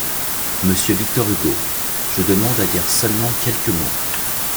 Monsieur Victor Hugo. Je demande à dire seulement quelques mots.